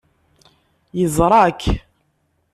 Yeẓra-k.